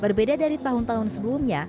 berbeda dari tahun tahun sebelumnya